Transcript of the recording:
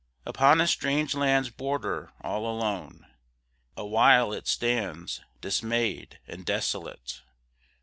Upon a strange land's border all alone, Awhile it stands dismayed and desolate.